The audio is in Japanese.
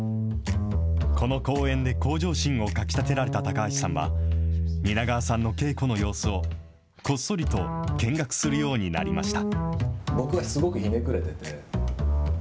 この公演で向上心をかきたてられた高橋さんは、蜷川さんの稽古の様子を、こっそりと見学するようになりました。